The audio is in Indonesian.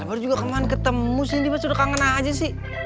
eh baru juga kemaren ketemu sindi masa udah kangen aja sih